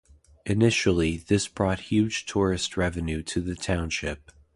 Initially, this brought huge tourist revenue to the township.